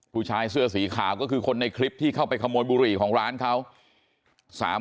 ผู้ชายเสื้อสีขาวก็คือคนในคลิปที่เข้าไปขโมยบุหรี่ของร้านเขา